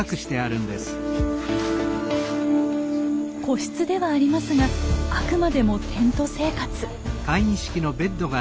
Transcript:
個室ではありますがあくまでもテント生活。